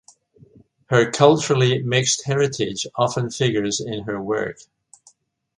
Her culturally mixed heritage often figures in her work.